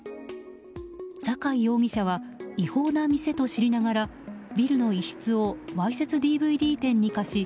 酒井容疑者は違法な店と知りながらビルの一室をわいせつＤＶＤ店に貸し